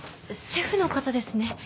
シェフの方ですね